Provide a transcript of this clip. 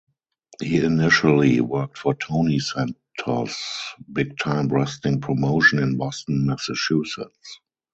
He initially worked for Tony Santos' Big Time Wrestling promotion in Boston, Massachusetts.